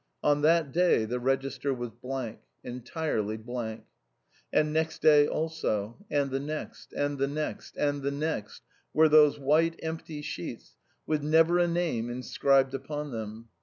On that day the register was blank, entirely blank. And next day also, and the next, and the next, and the next, were those white empty sheets, with never a name inscribed upon them.